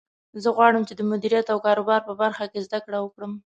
زه غواړم چې د مدیریت او کاروبار په برخه کې زده کړه وکړم